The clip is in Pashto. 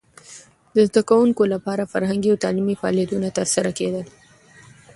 د زده کوونکو لپاره فرهنګي او تعلیمي فعالیتونه ترسره کېدل.